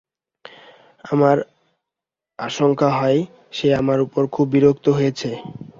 আমার আশঙ্কা হয়, সে আমার ওপর খুব বিরক্ত হয়েছে।